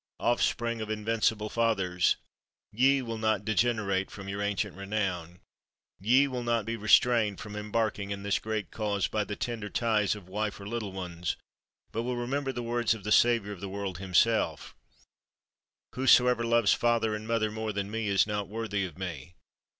offspring of invincible fathers! ye will not degenerate from your ancient renown. Ye will not be restrained from embarking in this great cause by the tender ties of wife or little ones, but will remember the words of the Saviour of the world himself, 'Whosoever loves father and mother more than me is not worthy of me.